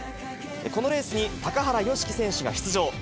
このレースに高原宜希選手が出場。